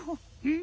ん？